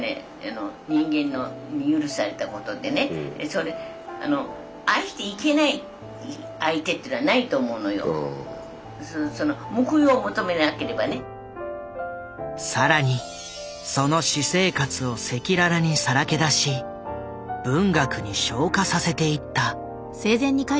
私はね更にその私生活を赤裸々にさらけ出し文学に昇華させていった。